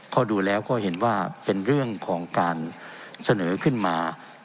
พอดูแล้วก็เห็นว่าเป็นเรื่องของการเสนอขึ้นมา